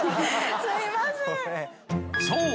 ［そう。